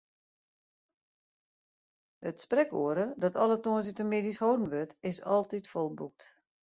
It sprekoere, dat alle tongersdeitemiddeis holden wurdt, is altyd folboekt.